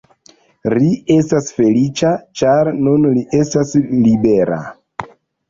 Ri estas feliĉa, ĉar nun li estas libera.